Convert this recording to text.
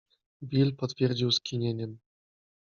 Bill potwierdził skinieniem.